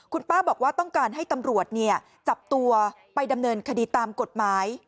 คุณป้าบอกว่าต้องการให้ตำรวจจับตัวไปดำเนินคดีตามกฎหมาย